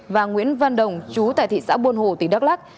và nguyễn văn đồng chú tại thị xã buôn hồ tỉnh đắk lắc